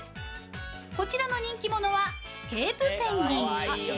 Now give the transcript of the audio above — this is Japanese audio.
こちらの人気者はケープペンギン。